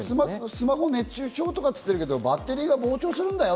スマホ熱中症とか言ってるけど、バッテリーが膨張するんだよ